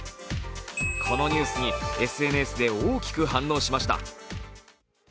このニュースに、ＳＮＳで大きく反応しました。